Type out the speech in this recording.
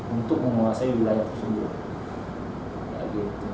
untuk menguasai wilayah itu sendiri